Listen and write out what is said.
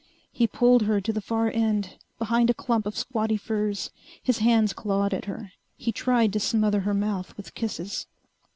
_ He pulled her to the far end, behind a clump of squatty firs. His hands clawed at her. He tried to smother her mouth with kisses.